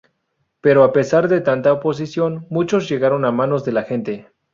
Pero a pesar de tanta oposición, muchos llegaron a manos de la gente.